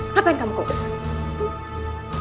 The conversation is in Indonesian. ngapain kamu kok berbicara